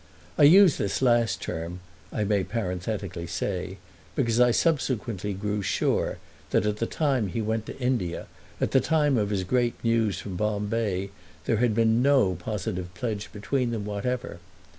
I use this last term, I may parenthetically say, because I subsequently grew sure that at the time he went to India, at the time of his great news from Bombay, there had been no positive pledge between them whatever.